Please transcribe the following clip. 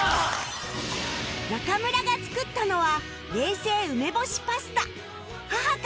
中村が作ったのは冷製梅干しパスタ母からの贈り物